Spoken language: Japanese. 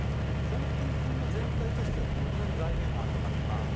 本当に国の全体としてはどれくらいの財源があるのか。